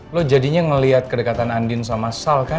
lo jadinya ngelihat kedekatan andin sama sal kan